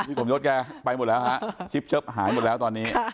สมยศแกไปหมดแล้วฮะชิปเชิบหายหมดแล้วตอนนี้